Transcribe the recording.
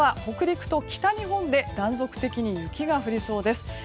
北陸と北日本で断続的に雪が降りそうです。